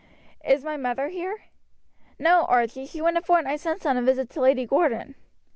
Is my mother here?" "No, Archie, she went a fortnight since on a visit to Lady Gordon."